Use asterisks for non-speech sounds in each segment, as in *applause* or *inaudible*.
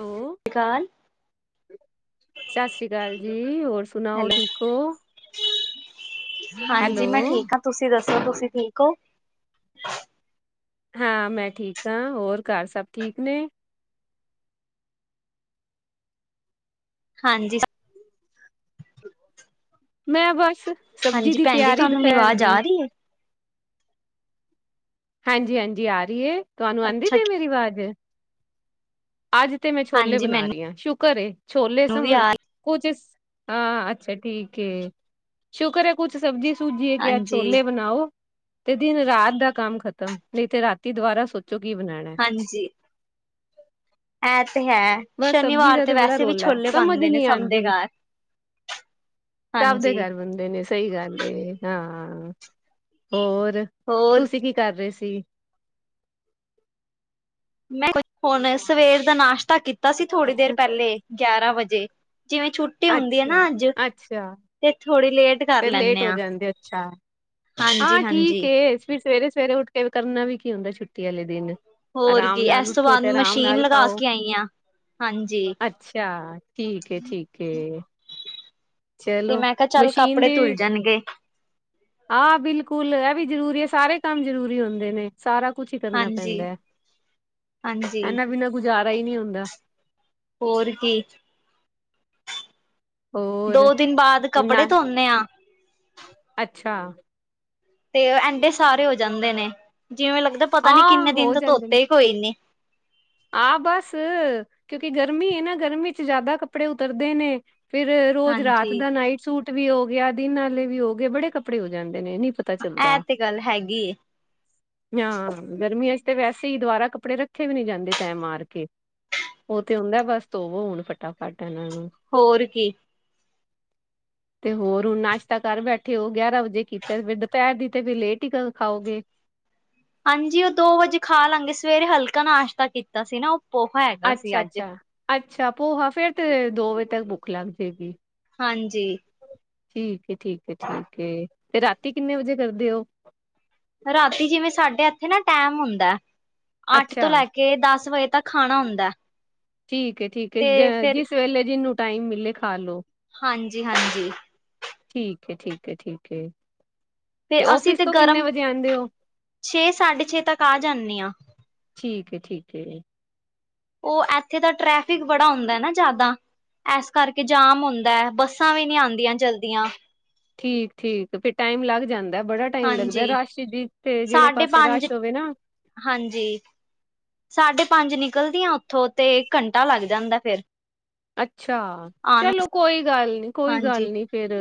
ਉਹ। ਕਾਲ ਸਤਿ ਸ੍ਰੀ ਅਕਾਲ ਜੀ, ਹੋਰ ਸੁਣਾਓ ਹੈਲੋ ਠੀਕ ਔ? ਹਾਂਜੀ ਮੈਂ ਹੈਲੋ। ਠੀਕ ਆ। ਤੁਸੀਂ ਦੱਸੋ ਤੁਸੀਂ ਠੀਕ ਔ? ਹਾਂ ਮੈਂ ਠੀਕ ਆ, ਹੋਰ ਘਰ ਸਭ ਠੀਕ ਨੇ? ਹਾਂਜੀ। ਮੈਂ ਬਸ, ਸਬਜ਼ੀ ਹਾਂਜੀ ਦੀ ਭੈਣ ਜੀ ਤਿਆਰੀ ਤੁਹਾਨੂੰ ਮੇਰੀ ਦੁਪਹਿਰ ਆਵਾਜ਼ ਆ ਦੀ। ਰਹੀ ਹੈ ਹਾਂਜੀ-ਹਾਂਜੀ ਆ ਰਹੀ ਏ, ਤੁਆਨੂੰ ਆਂਦੀ ਅੱਛਾ ਪਈ ਏ ਮੇਰੀ ਵਾਜ਼? ਆਜ ਤੇ ਮੈਂ ਛੋਲੇ ਹਾਂਜੀ ਬਣਾ ਰਹੀ ਮੈਨੂੰ ਆ, ਸ਼ੁਕਰ ਏ, ਛੋਲੇ ਸਮ ਵੀ ਆ ਕੋਚਿਸ ਹਾਂ, ਅੱਛਾ ਠੀਕ ਏ, ਸ਼ੁਕਰ ਹੈ। ਕੁਛ ਸਬਜ਼ੀ ਸੁਬਜੀਏ ਕਿਆ ਹਾਂਜੀ ਛੋਲੇ ਬਣਾਓ ਤੇ ਦਿਨ ਰਾਤ ਦਾ ਕੰਮ ਖਤਮ, ਨਈ ਤੇ ਰਾਤੀ ਦੁਬਾਰਾ ਸੋਚੋ ਕੀ ਬਣਾਣਾ ਏ। ਹਾਂਜੀ ਜੀ। ਐ ਤੇ ਹੈ। ਬਸ ਸਬਜ਼ੀ ਸ਼ਨੀਵਾਰ ਦਾ ਤੇ ਬੜਾ ਵੈਸੇ ਵੀ ਰੋਲਾ, ਹੈ, ਛੋਲੇ ਸਮਝ ਹੀ ਬਣਦੇ ਨੇ ਨਹੀਂ ਸਭ ਦੇ ਆਉਂਦੀ। ਕਾਰ। ਸਭ ਦੇ ਹਾਂਜੀ। ਘਰ ਬੰਦੇ ਨੇ, ਸਹੀ ਗੱਲ ਏ, ਹਾਂ। ਹੋਰ? ਹੋਰ ਤੁਸੀਂ ਕੀ ਕਰ ਰਏ ਸੀ? ਮੈਂ *unintelligible* ਹੁਨ ਸਵੇਰ ਦਾ ਨਾਸ਼ਤਾ ਕੀਤਾ ਸੀ, ਥੋੜੀ ਦੇਰ ਪੈਲੇ। ਗਿਆਰਾ ਵਜੇ, ਜਿਵੇਂ ਛੁੱਟੀ ਹੂੰਦੀ ਏ ਅੱਛਾ ਨਾ ਅੱਜ, ਅੱਛਾ ਤੇ ਥੋੜੀ ਲੇਟ ਕਰ ਫੇਰ ਲੇਟ ਲੈਂਦੇ ਹੋ ਹਾਂ ਜਾਂਦੇ ਓ ਅੱਛਾ, ਹਾਂਜੀ ਆਂ ਠੀਕ ਹਾਂਜੀ ਏ। ਫਿਰ ਸਵੇਰੇ-ਸਵੇਰੇ ਉੱਠ ਕੇ ਵੀ, ਕਰਨਾ ਵੀ ਕੀ ਹੁੰਦਾ ਏ, ਛੁੱਟੀ ਆਲੇ ਦਿਨ? ਹੋਰ ਅਰਾਮ ਕੀ ਨਾਲ ਇਸ ਤੋਂ ਉਠੋ, ਬਾਅਦ ਤੇ ਅਰਾਮ ਮਸ਼ੀਨ ਨਾਲ ਲਗਾ ਖਾਓ। ਕੇ ਆਈ ਹਾਂ ਹਾਂਜੀ ਅੱਛਾ, ਠੀਕ ਏ, ਠੀਕ ਏ। ਤੇ ਚਲੋ ਮੈ ਕਿਆ ਚੱਲ ਮਸ਼ੀਨ ਕੱਪੜੇ ਧੁੱਲ ਜਾਨਗੇ। ਆ ਬਿਲਕੁਲ, ਏ ਵੀ ਜ਼ਰੂਰੀ ਏ ਸਾਰੇ ਕੰਮ ਜਰੂਰੀ ਹੁੰਦੇ ਨੇ। ਸਾਰਾ ਕੁੱਛ ਈ ਕਰਨਾ ਹਾਂਜੀ ਪੈਂਦਾ ਹਾਂਜੀ ਏਨਾ ਬਿਨਾ ਗੁਜ਼ਾਰਾ ਈ ਨੀ ਹੁੰਦਾ। ਹੋਰ ਕੀ ਦੋ ਹੋਰ ਦਿਨ ਬਾਦ ਹੁਣ ਕੱਪੜੇ ਨਾ ਧੋਨੇ ਆਂ। ਅੱਛਾ। ਤੇ ਏਡੇ ਸਾਰੇ ਹੋ ਜਾਂਦੇ ਨੇ, ਜਿਵੇਂ ਲੱਗਦਾ ਪਤਾ ਨੀ ਹਾਂ ਕਿੰਨੇ ਦਿਨ ਹੋ ਤੋ ਜਾਂਦੇ ਨੇ ਧੋਤੇ ਈ ਕੋਈ ਨੀ। ਆ ਬੱਸ ਕਿਉਕਿ ਗਰਮੀ ਏ ਨਾ, ਗਰਮੀ ਚ ਜਿਆਦਾ ਕੱਪੜੇ ਉਤਰਦੇ ਨੇ। ਫਿਰ ਰੋਜ਼ ਰਾਤ ਹਾਂਜੀ ਦਾ ਨਾਈਟ ਸੂਟ ਵੀ ਹੋ ਗਿਆ, ਦਿਨ ਆਲੇ ਵੀ ਹੋਗੇ, ਬੜੇ ਕੱਪੜੇ ਹੋ ਜਾਂਦੇ ਨੇ, ਨੀ ਪਤ ਪਤਾ ਇਹ ਚੱਲਦਾ ਤੇ ਗੱਲ ਹੈਗੀ ਏ ਨਾਂ ਗਰਮੀਆਂ 'ਚ ਤੇ ਵੈਸੇ ਹੀ ਦੁਬਾਰਾ ਕੱਪੜੇ ਰੱਖੇ ਵੀ ਨੀ ਜਾਂਦੇ। ਤੈਹ ਮਾਰ ਕੇ ਉਹ ਤੇ ਹੁੰਦਾ ਬਸ ਧੋਵੋ ਹੁਣ। ਫਟਾਫਟ ਉਹਨਾਂ ਨੂੰ। ਹੋਰ ਕੀ *inaudible* ਤੇ ਹੋਰ ਹੁਨ ਨਾਸ਼ਤਾ ਕਰ ਬੈਠੇ ਓ, ਗਿਆਰਾ ਵਜੇ ਕੀਤਾ, ਫੇਰ ਦੁਪਹਿਰ ਦੀ ਤੇ ਫੇਰ ਲੇਟ ਈ ਖਾਓਗੇ। ਹਾਂਜੀ, ਓ ਦੋ ਵਜੇ ਖਾ ਲਾਂਗੇ, ਸਵੇਰੇ ਹਲਕਾ ਨਾਸ਼ਤਾ ਕੀਤਾ ਸੀ ਨਾ ਓ ਅੱਛਾ, ਅੱਛਾ, ਅੱਛਾ ਪੋਹਾ ਫੇਰ ਤੇ ਦੋ ਵਜੇ ਤੱਕ ਭੁਖ ਲੱਗ ਜਾਏਗੀ। ਹਾਂਜੀ। ਠੀਕ ਏ, ਠੀਕ ਏ, ਠੀਕ ਏ, ਤੇ ਰਾਤੀ ਕਿੰਨੇ ਵਜੇ ਕਰਦੇ ਓ? ਰਾਤੀ ਜਿਵੇਂ ਸਾਡੇ ਏਥੇ ਨਾ ਟੈਮ ਹੁੰਦਾ, ਅੱਠ ਤੋ ਅੱਛਾ ਲੈ ਕੇ ਕੇ ਦੱਸ ਵਜੇ ਤੱਕ ਖਾਣਾ ਹੁੰਦਾ। ਠੀਕ ਏ, ਠੀਕ ਏ, ਤੇ ਜ ਫਿਰ ਜਿਸ ਵੇਲੇ ਜਿਹਨੂੰ ਟਾਈਮ ਮਿਲੇ ਖਾ ਲੋ। ਹਾਂਜੀ ਹਾਂਜੀ ਠੀਕ ਏ, ਠੀਕ ਏ, ਠੀਕ ਏ। ਫੇਰ ਅਸੀ ਔਫਿਸ ਤੇ ਤੋਂ ਕਿੰਨੇ ਗਰਮ, ਵਜੇ ਆਂਦੇ ਓ? ਛੇ ਸਾਢੇ ਛੇ ਤੱਕ ਆ ਜਾਨੀ ਆਂ। ਠੀਕ ਏ, ਠੀਕ ਏ। ਓਹ ਏਥੇ ਦਾ ਟਰੈਫਿਕ ਬੜਾ ਹੁੰਦਾ ਨਾ ਜਿਆਦਾ। ਏਸ ਕਰਕੇ ਜਾਮ ਹੁੰਦਾ, ਬੱਸਾਂ ਵੀ ਨੀ ਆਂਦੀਆਂ ਜਾਂਦੀਆਂ। ਠੀਕ, ਠੀਕ ਫੇਰ ਟਾਈਮ ਲੱਗ ਜਾਂਦਾ ਬੜਾ। ਟਾਈਮ ਲੱਗਦੈ ਹਾਂਜੀ ਰਸ਼ ਚ, ਤੇ ਜਿਹੜੇ ਸਾਢੇ ਪਾਸੇ ਪੰਜ ਰਸ਼ ਹੋਵੇ ਨਾ ਹਾਂਜੀ, ਸਾਢੇ ਪੰਜ ਨਿਕਲਦੀ ਆਂ ਓੱਥੋਂ, ਤੇ ਘੰਟਾ ਲੱਗ ਜਾਂਦੈ ਫੇਰ। ਅੱਛਾ, ਆਉਣ ਚਲੋ ਕੋਈ ਗੱਲ ਨੀ, ਵਾਸਤੇ। ਕੋਈ ਗੱਲ ਹਾਂਜੀ ਨੀ। ਫੇਰ,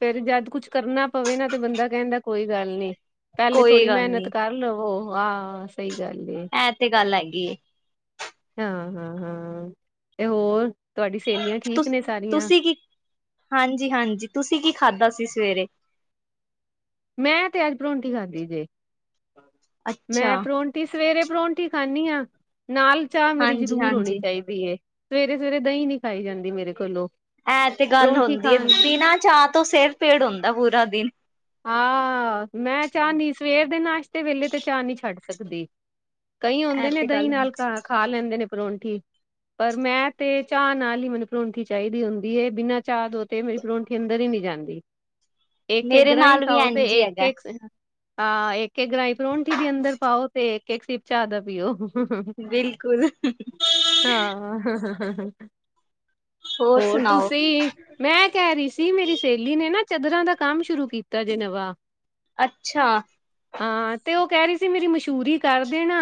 ਫੇਰ ਜੱਦ ਕੁੱਛ ਕਰਨਾ ਪਵੇ ਨਾ, ਤੇ ਬੰਦਾ ਕਹਿੰਦਾ ਕੋਈ ਗੱਲ ਨੀ। ਪਹਿਲੇ ਕੋਈ ਥੋੜੀ ਗੱਲ ਨੀ ਮਿਹਨਤ ਕਰ ਲਵੋ, ਆ ਸਈ ਗੱਲ ਏ। ਇਹ ਤੇ ਗੱਲ ਹੈਗੀ ਏ। ਹਾਂ, ਹਾਂ, ਹਾਂ, ਤੇ ਹੋਰ ਤੁਹਾਡੀ ਸਹੇਲੀਆਂ ਠੀਕ ਤੁਸ ਨੇ ਸਾਰੀਆਂ ਤੁਸੀਂ ਕੀ ਹਾਂਜੀ, ਹਾਂਜੀ ਤੁਸੀ ਕੀ ਖਾਦਾ ਸੀ ਸਵੇਰੇ? ਮੈਂ ਤੇ ਅੱਜ ਪਰੌਂਠੀ ਖਾਦੀ ਜੇ, ਮੈਂ ਅੱਛਾ ਪਰੌਂ ਵੀ ਸਵੇਰੇ ਪਰੌਂਠੀ ਖਾਂਨੀ ਆਂ, ਨਾਲ ਚਾਹ ਮੇਰੀ ਹਾਂਜੀ ਜ਼ਰੂਰ ਹੋਨੀ ਹਾਂਜੀ ਚਾਹੀਦੀ। *unintelligible* ਸਵੇਰੇ-ਸਵੇਰੇ ਦਈ ਨੀ ਖਾਈ ਜਾਂਦੀ ਮੇਰੇ ਕੋਲੋ *unintelligible* ਇਹ ਤੇ ਗੱਲ ਹੋਂਦੀ ਏ, ਬਿਨਾ ਚਾਹ ਤੋਂ ਸਿਰ ਪੀੜ ਹੁੰਦਾ ਪੂਰਾ ਦਿਨ ਆ, ਮੈਂ ਚਾਹ ਨੀ ਸਵੇਰ ਦੇ ਨਾਸ਼ਤੇ ਵੇਲੇ, ਤੇ ਚਾਹ ਨੀ ਛੱਡ ਸਕਦੀ। ਕਈਂ ਇਹ ਹੁੰਦੇ ਨੇ ਤੇ ਦਹੀ ਗੱਲ ਨਾਲ ਖਾ ਖਾ ਲੈਂਦੇ ਨੇ ਪਰੌਂਠੀ। ਪਰ ਮੈਂ ਤੇ ਚਾਹ ਨਾਲ ਈ ਮੈਨੂੰ ਪਰੌਂਠੀ ਚਾਈਦੀ ਹੁੰਦੀ ਏ, ਬਿਨਾਂ ਚਾਹ ਤੋ ਤੇ ਮੇਰੀ ਪਰੌਂਠੀ ਅੰਦਰ ਹੀ ਨਹੀਂ ਜਾਂਦੀ। ਇਕ ਮੇਰੇ ਗਰਾਂਈ ਨਾਲ ਵੀ ਖਾਓ ਤੇ ਇੰਝ ਹੀ ਇੱਕ, ਹੈਗਾ ਇੱਕ ਆ ਇੱਕ, ਇੱਕ ਗਰਾਈ ਪਰੌਂਠੀ ਦੀ ਅੰਦਰ ਪਾਓ ਤੇ ਇੱਕ, ਇੱਕ ਸਿਪ ਚਾਹ ਦਾ ਪੀਓ। ਬਿਲਕੁਲ ਹਾਂ, ਹਾਹਾਹਾ ਹੋਰ ਤੁਸੀਂ ਮੈਂ ਕਹਿ ਰਹੀ ਸੀ, ਮੇਰੀ ਸਹੇਲੀ ਨੇ ਨਾ ਚਦਰਾਂ ਦਾ ਕੰਮ ਸ਼ੁਰੂ ਕੀਤਾ ਜੇ ਨਵਾਂ। ਅੱਛਾ। ਹਾਂ ਤੇ ਉਹ ਕਹਿ ਰਹੀ ਸੀ, ਮੇਰੀ ਮਸ਼ਹੂਰੀ ਕਰ ਦੇਣਾ।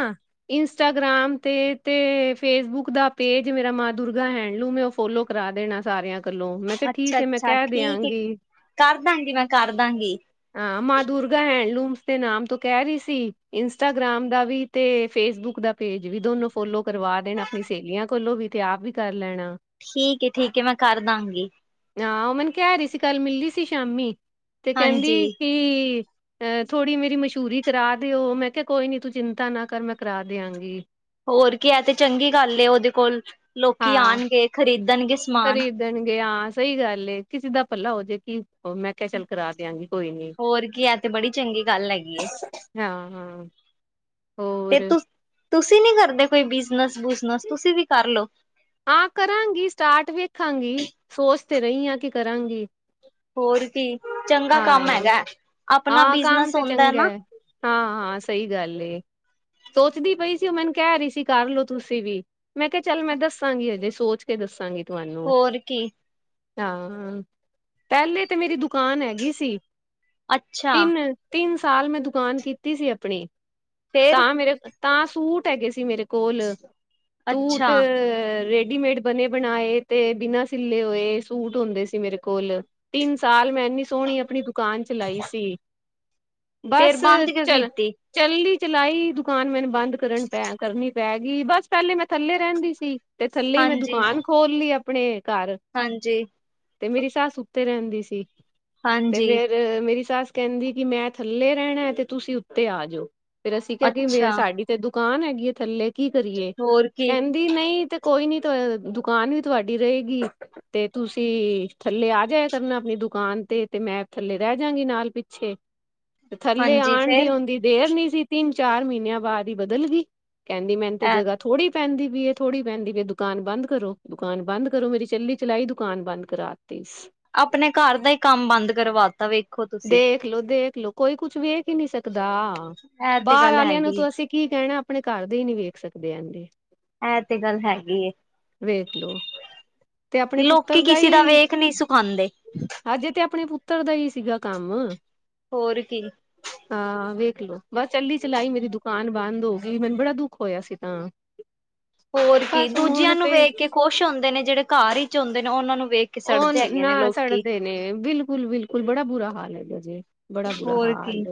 ਇੰਸਟਾਗ੍ਰਾਮ ਤੇ ਤੇ ਫੇਸਬੁਕ ਦਾ ਪੇਜ ਮੇਰਾ ਮਾਂ ਦੁਰਗਾ ਹੈਫਲੂਮ ਫੋਲੋ ਕਰਾ ਦੇਣਾ ਸਾਰਿਆਂ ਕਲੋਂ ਮੈਂ ਕਿਹਾ ਠੀਕ ਐ ਮੈਂ ਕਹਿ ਦਿਆਂਗੀ। ਕਰਦਾਂਗੀ ਮੈਂ ਕਰਦਾਂਗੀ। ਹਾਂ ਮਾਂ ਦੁਰਗਾ ਹੈਂਡਲੂਮਸ ਦੇ ਨਾਮ ਤੋਂ ਕਹਿ ਰਹੀ ਸੀ, ਇੰਸਟਾਗ੍ਰਾਮ ਦਾ ਵੀ ਤੇ ਫੇਸਬੁੱਕ ਦਾ ਪੇਜ ਵੀ ਦੋਨੋ ਫੋਲੋ ਕਰਵਾ ਦੇਣਾ ਆਪਣੀ ਸਹੇਲੀਆਂ ਕੋਲੋਂ ਵੀ, ਤੇ ਆਪ ਵੀ ਕਰ ਲੈਣਾ। ਠੀਕ ਏ, ਠੀਕ ਏ ਮੈਂ ਕਰ ਦਾਂਗੀ। ਹਾਂ, ਉਹ ਮੈਨੂੰ ਕਹਿ ਰਹੀ ਸੀ ਕੱਲ ਮਿਲੀ ਸੀ ਸ਼ਾਮੀ ਤੇ ਹਾਂਜੀ ਕਹਿੰਦੀ ਕਿ ਅ ਥੋੜੀ ਮੇਰੀ ਮਸ਼ਹੂਰੀ ਕਰਾ ਦਿਓ, ਮੈਂ ਕਿਹਾ ਕੋਈ ਨੀ ਤੂੰ ਚਿੰਤਾ ਨਾ ਕਰ ਮੈਂ ਕਰਾ ਦਿਆਂਗੀ। ਹੋਰ ਕੀ ਐ, ਤੇ ਚੰਗੀ ਗੱਲ ਉਹਦੇ ਕੋਲ ਲੋਕੀ ਆਣਗੇ ਖਰੀਦਣਗੇ ਸ ਖਰੀਦਨਗੇ ਆ, ਸਈ ਗੱਲ ਏ ਕਿਸੀ ਦਾ ਭਲਾ ਹੋਜੇ ਕੀ ਓ ਮੈਂ ਕਿਹਾ ਚੱਲ ਕਰਾ ਦੇਆਂਗੀ, ਕੋਈ ਨੀ ਹੋਰ ਕੀ ਹੈ ਤੇ ਬੜੀ ਚੰਗੀ ਗੱਲ ਹੈਗੀ ਏ ਹਾਂ, ਹਾਂ। ਤੇ ਤੁ ਤੁਸੀਂ ਨੀ ਕਰਦੇ ਕੋਈ ਬਿਜਨਸ-ਬੁਜਨਸ, ਤੁਸੀਂ ਵੀ ਕਰਲੋ ਹਾਂ ਕਰਾਂਗੀ ਸਟਾਰਟ ਵੇਖਾਂਗੀ, ਸੋਚ ਤੇ ਰਹੀ ਹਾਂ ਕਿ ਕਰਾਂਗੀ। ਹੋਰ ਕੀ ਚੰਗਾ ਕੰਮ ਹਾਂ, ਹੈਗਾ, ਆਪਣਾ ਬਿਜਨਸ ਹੁੰਦਾ ਨਾ। ਹਾਂ, ਹਾਂ ਸਹੀ ਗੱਲ ਏ। ਸੋਚਦੀ ਪਈ ਸੀ, ਉਹ ਮੈਨੂੰ ਕਹਿ ਰਹੀ ਸੀ ਕਰ ਲਓ ਤੁਸੀਂ ਵੀ ਮੈਂ ਕਿਹਾ ਚੱਲ ਮੈਂ ਦੱਸਾਂਗੀ ਅਜੇ ਸੋਚ ਤੇ ਦੱਸਾਂਗੇ ਤੁਹਾਨੂੰ। ਹੋਰ ਕੀ ਹਾਂ ਪਹਿਲੇ ਤੇ ਮੇਰੀ ਦੁਕਾਨ ਹੈਗੀ ਸੀ। ਅੱਛਾ ਤਿੰਨ, ਤਿੰਨ ਸਾਲ ਮੈਂ ਦੁਕਾਨ ਕੀਤੀ ਸੀ ਆਪਣੀ ਫੇਰ ਤਾਂ ਮੇਰੇ ਤਾਂ ਸੂਟ ਹੈਗੇ ਸੀ ਮੇਰੇ ਕੋਲ ਸੂਟ ਅੱਛਾ ਰੈਡੀਮੇਡ ਬਣੇ ਬਣਾਏ ਤੇ ਬਿਨਾਂ ਸਿੱਲੇ ਹੋਏ, ਸੂਟ ਹੁੰਦੇ ਸੀ ਮੇਰੇ ਕੋਲ ਤਿੰਨ ਸਾਲ ਮੈਂ ਇੰਨੀ ਸੋਹਣੀ ਆਪਣੀ ਦੁਕਾਨ ਚਲਾਈ ਸੀ। ਠੀਕ, ਫੇਰ ਬਸ ਬੰਦ ਕਿਉਂ ਚਲ ਕੀਤੀ? ਚੱਲਦੀ ਚਲਾਈ ਦੁਕਾਨ ਮੈਨੂੰ ਬੰਦ ਕਰਨ ਪੈ ਕਰਨੀ ਪੈ ਗਈ, ਬਸ ਪਹਿਲੇ ਮੈਂ ਥੱਲੇ ਰਹਿੰਦੀ ਸੀ। ਤੇ ਥੱਲੇ ਮੈਂ ਹਾਂਜੀ, ਦੁਕਾਨ ਖੋਲ੍ਹ ਲਈ ਆਪਣੇ ਘਰ ਹਾਂਜੀ। ਤੇ ਮੇਰੀ ਸੱਸ ਉੱਤੇ ਰਹਿੰਦੀ ਸੀ, ਤੇ ਹਾਂਜੀ ਫੇਰ ਮੇਰੀ ਸੱਸ ਕਹਿੰਦੀ ਕਿ ਮੈਂ ਥੱਲੇ ਰਹਿਣਾ, ਤੇ ਤੁਸੀਂ ਉੱਤੇ ਆ ਜਾਓ ਫੇਰ ਅਸੀਂ ਕਿਹਾ ਕੇ ਅੱਛਾ ਸਾਡੀ ਤੇ ਦੁਕਾਨ ਹੈਗੀ ਹੈ ਥੱਲੇ ਕੀ ਕਰੀਏ ਹੋਰ ਕੀ ਕਹਿੰ ਦੀ ਨਹੀਂ ਤੇ ਕੋਈ ਨੀ ਦੁਕਾਨ ਵੀ ਤੁਹਾਡੀ ਰਹੇਗੀ। ਤੇ ਤੁਸੀਂ ਥੱਲੇ ਆ ਜਾਇਆ ਕਰਨਾ ਆਪਣੀ ਦੁਕਾਨ ਤੇ ਤੇ ਮੈਂ ਥੱਲੇ ਰਹਿ ਜਾਗੀ ਨਾਲ ਪਿੱਛੇ, ਥੱਲੇ ਹਾਂਜੀ ਆਣ ਦੀ ਫੇਰ ਆਉਂਦੀ ਦੇਰ ਨੀ ਸੀ, ਤਿੰਨ ਚਾਰ ਮਹੀਨਿਆਂ ਬਾਅਦ ਹੀ ਬਦਲ ਗਈ। ਕਹਿੰਦੀ ਮੈਨੂੰ ਤੇ ਐ ਜਗ੍ਹਾ ਥੋੜੀ ਪੈਂਦੀ ਪਈ ਥੋੜ੍ਹੀ ਪੈਂਦੀ ਪਈ ਦੁਕਾਨ ਬੰਦ ਕਰੋ ਦੁਕਾਨ ਬੰਦ ਕਰੋ ਮੇਰੀ ਚੱਲੀ ਚਲਾਈ ਦੁਕਾਨ ਬੰਦ ਕਰਾ ਤੀ। ਆਪਣੇ ਘਰ ਦਾ ਹੀ ਕੰਮ ਬੰਦ ਕਰਵਾਤਾ ਵੇ ਦੇਖਲੋ, ਦੇਖਲੋ ਕੋਈ ਕੁਛ ਵੇਖ ਹੀ ਨਹੀਂ ਸਕਦਾ, ਇਹ ਤੇ ਬਾਹਰ ਗੱਲ ਵਾਲਿਆਂ ਨੂੰ ਹੈਗੀ ਏ। ਤਾਂ ਅਸੀਂ ਕੀ ਕਹਿਣਾ ਆਪਣੇ ਘਰ ਦੇ ਹੀ ਨਹੀਂ ਵੇਖ ਸਕਦੇ ਹੈਗੇ। ਇਹ ਤੇ ਗੱਲ ਹੈਗੀ ਏ। ਵੇਖ ਲੋ। ਤੇ ਆਪਣੇ ਪੁੱਤਰ ਲੋਕੀ ਕਿਸੀ ਦਾ ਹੀ ਵੇਖ ਨੀ ਸੁਖਾਂਦੇ। ਇਦਰ ਦਾ ਈ ਸੀਗਾ ਕੰਮ। ਹੋਰ ਕੀ। ਹਾਂ, ਵੇਖਲੋ ਬਸ ਚਲੀ ਚਲਾਈ ਮੇਰੀ ਦੁਕਾਨ ਬੰਦ ਹੋਗੀ ਮੈਨੂੰ ਬੜਾ ਦੁੱਖ ਹੋਇਆ ਸੀ ਤਾਂ ਹੋਰ ਕੀ ਬਸ ਦੂਜਿਆਂ ਹੁਣ ਨੂੰ ਫੇਰ ਵੇਖ ਕੇ ਖੁਸ਼ ਹੁੰਦੇ ਨੇ ਜਿਹੜੇ ਘਰ ਈ ਚ ਹੁੰਦੇ ਨੇ ਓਨਾਂ ਨੂੰ ਵੇ ਓ ਨਾ ਸੜ ਦੇ ਨੇ ਬਿਲਕੁੱਲ-ਬਿਲਕੁੱਲ ਬੜਾ ਬੁਰਾ ਹਾਲ ਹੈਗਾ ਜੇ ਬੜਾ ਬੁਰਾ ਹੋਰ ਕੀ ਹਾਲ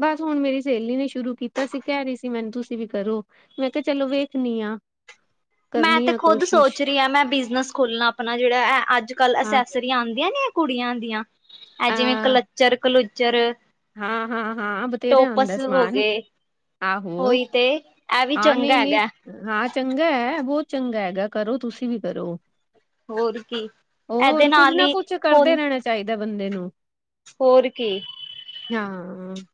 ਬਸ ਹੁਣ ਮੇਰੀ ਸੇਲੀ ਨੇ ਸ਼ੁਰੂ ਕੀਤਾ ਸੀ ਕੈਰੀ ਸੀ ਮੈਨੂੰ ਤੁਸੀਂ ਵੀ ਕਰੋ। ਮੈਂ ਕਿਹਾ ਚਲੋ ਵੇਖਣੀ ਆ। ਮੈਂ ਕਰਨੀ ਤੇ ਆ ਖੁਦ ਕੋਸ਼ਿਸ਼ ਸੋਚਰੀ ਆ। ਮੈਂ ਬਿਜਨਸ ਖੋਲਣਾ ਆਪਣਾ ਜੇੜਾ ਅੱਜ ਕੱਲ, ਹਾਂ ਅਸੇਸ ਦੀ ਆਂਦੀਆਂ ਨੀ ਹੈ, ਕੁੜੀਆਂ ਦੀਆਂ। ਐ ਜਿਵੇਂ ਕਲੱਚਰ, - ਕਲੁਚਰ। ਹਾਂ-ਹਾਂ, ਹਾਂ। ਹਾਂ ਬਥੇਰੇ ਆਂਦਾ ਸਮਾਨ। ਗਏ ਆਹੋ ਉਹੀ ਤੇ ਇਹ ਵੀ ਹਾਂ ਚੰਗਾ ਨੀ-ਨੀ। ਹੈਗਾ ਹਾਂ ਚੰਗਾ ਐ। ਬੋਤ ਚੰਗਾ ਹੈਗਾ, ਕਰੋ ਤੁਸੀਂ ਵੀ ਕਰੋ। ਹੋਰ ਕੀ ਇਹਦੇ ਓਰ ਕੁੱਜ ਨਾਲ ਨਾ ਹੀ ਕੁੱਛ, ਹੁਣ ਕਰਦੇ ਰੈਣਾ ਚਾਹੀਦਾ ਬੰਦੇ ਨੂੰ। ਹੋਰ ਕੀ। ਹਾਂ।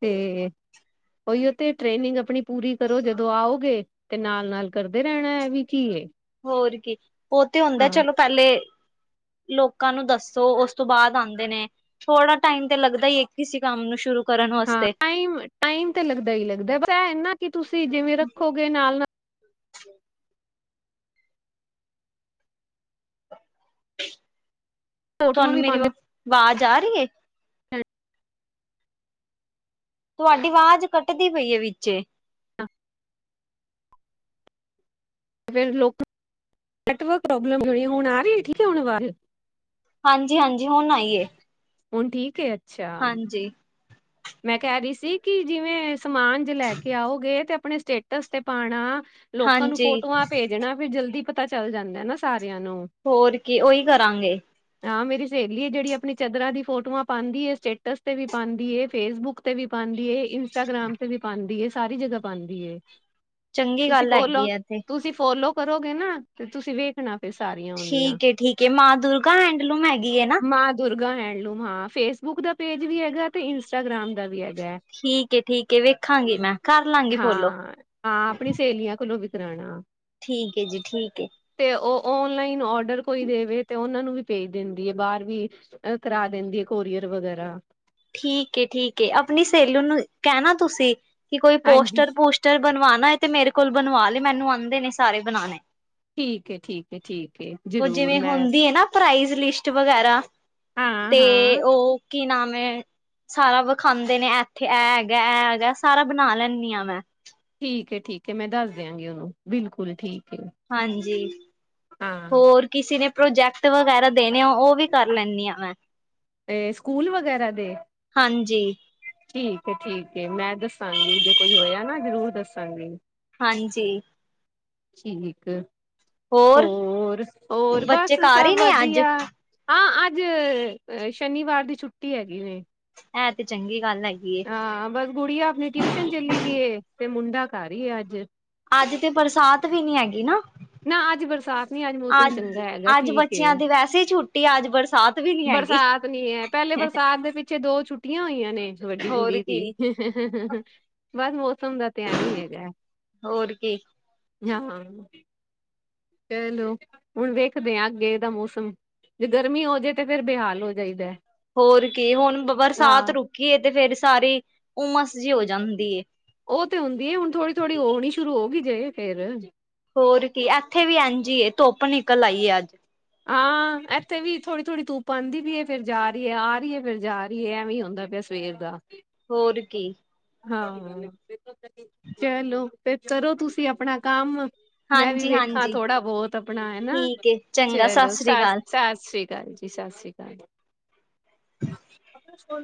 ਤੇ ਓਈ ਓ ਤੇ ਟ੍ਰੇਨਿੰਗ ਆਪਣੀ ਪੂਰੀ ਕਰੋ, ਜਦੋਂ ਆਓਗੇ। ਤੇ ਨਾਲ-ਨਾਲ ਕਰਦੇ ਰੈਣਾ, ਏ ਵੀ ਕੀਏ। ਹੋਰ ਕੀ, ਉਹ ਤੇ ਹੁੰਦਾ ਚਲੋ ਪਹਿਲੇ ਲੋਕਾਂ ਨੂੰ ਦੱਸੋ, ਉਸ ਤੋਂ ਬਾਅਦ ਆਉਂਦੇ ਨੇ। ਥੋੜਾ ਟਾਈਮ ਤੇ ਲੱਗਦਾ ਹੀ ਹੈ। ਇੱਕ ਕਿਸੇ ਕੰਮ ਨੂੰ ਸ਼ੁਰੂ ਕਰਨ ਹਾਂ ਵਾਸਤੇ। ਟਾਈਮ, ਟਾਈਮ ਤੇ ਲੱਗਦਾ ਹੀ ਲੱਗਦਾ ਐ। ਪਰ ਇਹ ਨਾ ਕਿ ਤੁਸੀਂ ਜਿਵੇਂ ਰੱਖੋਗੇ, ਨਾਲ- ਨਾਲ ਫੋਟੋਆਂ ਤੁਹਾਨੂੰ ਵੀ ਮੇਰੀ, ਪਾਉਂਦੇ ਆਵਾਜ਼ ਆ ਰਹੀ ਹੈ। ਤੁਹਾਡੀ ਆਵਾਜ਼ ਕੱਟਦੀ ਪਈ ਏ ਵਿੱਚੇ। ਫੇਰ ਲੋਕ ਨੈਟਵਰਕ ਪ੍ਰੋਬਲਮ ਹੋਣੀ ਹੈ। ਹੁਣ ਆ ਰੀ, ਠੀਕ ਐ ਹੁਣ ਵਾਜ। ਹਾਂਜੀ-ਹਾਂਜੀ, ਹੁਣ ਆਈਏ। ਹੁਣ ਠੀਕ ਐ। ਹਾਂਜੀ। ਮੈਂ ਕੈ ਰੀ ਸੀ, ਕੀ ਜਿਵੇਂ ਸਮਾਨ ਜੇ ਲੈ ਕੇ ਆਓਗੇ। ਤੇ ਆਪਣੇ ਸਟੇਟਸ ਤੇ ਪਾਣਾ। ਲੋਕਾਂ ਨੂੰ ਹਾਂਜੀ ਫੋਟੋਆਂ ਭੇਜਣਾ, ਫੇਰ ਜਲਦੀ ਪਤਾ ਚੱਲ ਜਾਂਦਾ ਨਾ ਸਾਰਿਆਂ ਨੂੰ। ਹੋਰ ਕੀ, ਓਈ ਕਰਾਂਗੇ। ਹਾਂ ਮੇਰੀ ਸੇਲੀ ਏ, ਜੇੜੀ ਆਪਣੀ ਚਾਦਰਾਂ ਦੀ ਫੋਟੋਆਂ ਪਾਂਦੀ ਏ। ਸਟੇਟਸ ਤੇ ਵੀ ਪਾਂਦੀ ਏ। ਫੇਸਬੁੱਕ ਤੇ ਵੀ ਪਾਂਦੀ ਏ, ਇੰਸਟਾਗ੍ਰਾਮ ਤੇ ਵੀ ਪਾਂਦੀ ਏ, ਸਾਰੀ ਜਗਾ ਪਾਂਦੀ ਏ। ਚੰਗੀ ਤੁਸੀਂ ਗੱਲ ਫੋਲੋ, ਹੈਗੀ ਆ ਤੇ ਤੁਸੀਂ ਫੋਲੋ ਕਰੋਗੇ ਨਾ। ਤੇ ਤੁਸੀਂ ਵੇਖਣਾ, ਫੇਰ ਸਾਰੀਆਂ ਔਂਦੀਆ ਠੀਕ ਏ ਠੀਕ ਏ ਮਾਂ ਦੁਰਗਾ ਹੈਂਡਲੂਮ ਹੈਗੀ ਏ ਨਾ ਮਾਂ ਦੁਰਗਾ ਹੈਂਡਲੂਮ ਹਾਂ। ਫੇਸਬੁੱਕ ਦਾ ਪੇਜ ਵੀ ਹੈਗਾ, ਤੇ ਇੰਸਟਾਗ੍ਰਾਮ ਦਾ ਵੀ ਹੈਗਾ। ਠੀਕ ਏ- ਠੀਕ ਏ, ਵੇਖਾਂਗੀ ਮੈਂ ਕਰ ਲਾਂਗੀ ਫੋਲੋ। ਹਾਂ ਹਾਂ, ਆਪਣੀ ਸੇਲੀਆਂ ਕੋਲੋਂ ਵੀ ਕਰਾਣਾ। ਠੀਕ ਏ ਜੀ, ਠੀਕ ਏ। ਤੇ ਓ ਓਨਲਾਈਨ ਓਡਰ ਕੋਈ ਦੇਵੇ, ਤੇ ਓਨਾਂ ਨੂੰ ਵੀ ਭੇਜ ਦਿੰਦੀ ਏ ਬਾਰ ਵੀ। ਅ ਕਰਾ ਦਿੰਦੀ ਐ। ਕੋਰੀਅਰ ਵਗੈਰਾ। ਠੀਕ ਏ- ਠੀਕ ਏ, ਆਪਣੀ ਸਹੇਲੀ ਨੂੰ ਕੈਣਾ ਤੁਸੀਂ, ਕਿ ਕੋਈ ਹਾਂਜੀ ਪੋਸਟਰ- ਪੂਸਟਰ ਟਰ, ਬਣਵਾਂਨਾ ਏ ਤੇ। ਮੇਰੇ ਕੋਲ ਬਣਵਾ ਲੇ ਮੈਨੂੰ ਆਂਦੇ ਨੇ ਸਾਰੇ ਬਣਾਣੇ। ਠੀਕ ਏ- ਠੀਕ ਏ, ਠੀਕ ਏ ਉਹ ਜਰੂਰ ਜਿਵੇਂ ਮੈਂ ਹੁੰਦੀ ਏ ਨਾ ਪ੍ਰਾਈਜ਼ ਲਿਸਟ ਵਗੈਰਾ, ਤੇ ਹਾਂ-ਹਾਂ ਓ ਕੀ ਨਾਮ ਏ ਸਾਰਾ ਵਿਖਾਂਦੇ ਨੇ, ਐਥੇ ਐ ਹੈਗਾ, ਐ ਹੈਗਾ। ਸਾਰਾ ਬਣਾ ਲੈਂਨੀ ਆ ਮੈਂ। ਠੀਕ ਏ- ਠੀਕ ਇ, ਮੈਂ ਦੱਸ ਦਿਆਂਗੀ ਓਨੂੰ ਬਿਲਕੁੱਲ ਠੀਕ ਏ। ਹਾਂਜੀ, ਹਾਂ ਹੋਰ? ਕਿਸੀ ਨੇ ਪ੍ਰੋਜੈਕਟ ਵਗੈਰਾ ਦੇਣੇ ਆ। ਓਵੀ ਕਰ ਲੈਂਨੀ ਆ ਮੈਂ। ਤੇ ਸਕੂਲ ਵਗੈਰਾ ਦੇ? ਹਾਂਜੀ ਠੀਕ ਏ ਠੀਕ ਮੈਂ ਦੱਸਾਂਗੀ, ਜੇ ਕੋਈ ਹੋਇਆ ਨਾ ਜ਼ਰੂਰ ਦੱਸਾਂਗੀ। ਹਾਂਜੀ। ਠੀਕ ਹੋਰ, ਹੋਰ ਬੱਚੇ ਬਸ ਘਰ ਹੀ ਸਭ ਨੇ ਅੱਜ ਵਧੀਆ। ਹਾਂ, ਅੱਜ ਸ਼ਨੀਵਾਰ ਦੀ ਛੁੱਟੀ ਹੈਗੀ ਦੇ। ਇਹ ਤੇ ਚੰਗੀ ਗੱਲ ਹੈਗੀ ਹੈ। ਹਾਂ, ਬਸ ਗੁੜੀਆ ਆਪਣੀ ਟਿਊਸ਼ਨ ਚੱਲੀ ਗਈ ਏ। ਤੇ ਮੁੰਡਾ ਘਰੇ ਹੀ ਆ ਅੱਜ। ਅੱਜ ਤੇ ਬਰਸਾਤ ਵੀ ਨੀ ਹੈਗੀ ਨਾ। ਨਾ ਅੱਜ ਬਰਸਾਤ ਨੀ ਮੌਸਮ ਅੱਜ ਚੰਗਾ ਹੈਗਾ ਅੱਜ ਠੀਕ ਏ ਬੱਚਿਆਂ ਦੀ ਵੈਸੇ ਈ ਛੁੱਟੀ ਅੱਜ ਬਰਸਾਤ ਵੀ ਨੀ ਹੈਗੀ ਬਰਸਾਤ ਨੀ ਹੈ ਪਹਿਲੇ ਬਰਸਾਤ ਦੇ ਪਿੱਛੇ ਦੋ ਛੁੱਟੀਆਂ ਹੋਈਆਂ ਨੇ ਵੱਡੀ ਹੋਰ ਕੁੜੀ ਦੀ। ਕੀ ਬਸ ਮੌਸਮ ਦਾ ਤਾਂ ਐਵੇ ਈ ਹੈਗਾ। ਹੋਰ ਕੀ ਹਾਂ। ਚਲੋ ਹੁਣ ਵੇਖਦੇ ਹਾਂ ਅੱਗੇ ਇਹਦਾ ਮੌਸਮ ਜੇ ਗਰਮੀ ਹੋ ਜਾੇ ਤਾਂ ਫਿਰਰ ਬੇਹਾਲ ਹੋ ਜਾਈਦਾ। ਹੋਰ ਕੀ ਹੁਣ ਬਰਸਾਤ ਹਾਂ ਰੁਕੀਏ ਤੇ ਫੇਰ ਸਾਰੀ ਹੁਮਸ ਜਿਹੀ ਹੋ ਜਾਂਦੀ ਐ। ਉਹ ਤੇ ਹੁੰਦੀ ਹੈ ਹੁਣ ਥੋੜੀ ਥੋੜੀ ਹੋਣੀ ਸ਼ੁਰੂ ਹੋ ਗਈ ਜੇ ਫ਼ੇਰ। ਹੋਰ ਕੀ ਇੱਥੇ ਵੀ ਇਝ ਏ ਧੁੱਪ ਨਿਕਲ ਆਈ ਅੱਜ। ਹਾਂ। ਐਥੇ ਵੀ ਥੋੜ੍ਹੀ ਥੋੜ੍ਹੀ ਧੁਪ ਆਂਦੀ ਪਈ ਏ ਫੇਰ ਜਾ ਰੀ ਐ ਆ ਰਿਐ ਫਿਰ ਜਾ ਰੀਐ ਐਵੇਂ ਈ ਹੁੰਦਾ ਪਿਆ ਸਵੇਰ ਦਾ। ਹੋਰ ਕੀ। ਹਾਂ ਚਲੋ ਤੇ ਕਰੋ ਤੁਸੀਂ ਆਪਣਾ ਕੰਮ। ਮੈਂ ਵੀ ਹਾਂਜੀ ਵੇਖਾਂ ਹਾਂਜੀ ਥੋੜ੍ਹਾ ਬਹੁਤ ਆਪਣਾ ਹਨਾ। ਠੀਕ ਏ ਚੰਗਾ ਸਤਿ ਚਲੋ ਸ੍ਰੀ ਅਕਾਲ ਸਤਿ ਸ੍ਰੀ ਅਕਾਲ ਜੀ ਸਤਿ ਸ਼੍ਰੀ ਅਕਾਲ ਜੀ। *unintelligible*